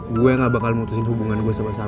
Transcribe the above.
gue nggak bakal memutuskan hubungan gue sama sar